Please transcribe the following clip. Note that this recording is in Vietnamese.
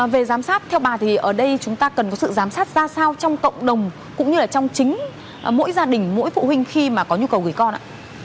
về giám sát theo bà thì ở đây chúng ta cần có sự giám sát ra sao trong cộng đồng cũng như là trong chính mỗi gia đình mỗi phụ huynh khi mà có nhu cầu gửi con ạ